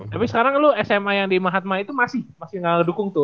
tapi sekarang lo sma yang di mahatma itu masih gak ngedukung tuh